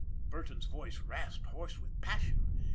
Burton's voice rasped, hoarse with passion.